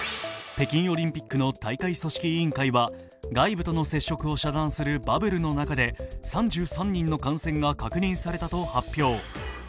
北京オリンピックの大会組織委員会は、外部との接触を遮断するバブルの中で３３人の感染が確認されたと発表。